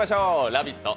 「ラヴィット！」